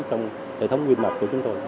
trong hệ thống nguyên mặt của chúng tôi